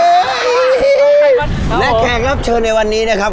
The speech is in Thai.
โอเคครับครับผมและแขกครับเชิญในวันนี้นะครับ